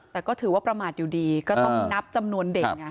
แต่ก็ถือว่าประมาทอยู่ดีก็ต้องนับจำนวนเด็กไง